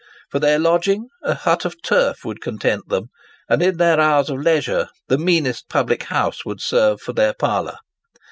For their lodging, a hut of turf would content them; and, in their hours of leisure, the meanest public house would serve for their parlour.